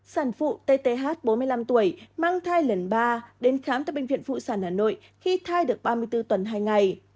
sản phụ tth bốn mươi năm tuổi mang thai lần ba đến khám tại bệnh viện phụ sản hà nội khi thai được ba mươi bốn tuần hai ngày